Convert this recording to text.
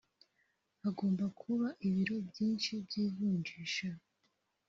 hagomba kuba ibiro byinshi by’ivunjissha